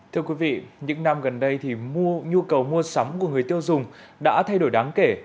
thưa quý vị những năm gần đây nhu cầu mua sắm của người tiêu dùng đã thay đổi đáng kể